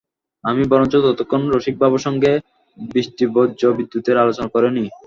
আমি বরঞ্চ ততক্ষণ রসিকবাবুর সঙ্গে বৃষ্টিবজ্রবিদ্যুতের আলোচনা করে নিই।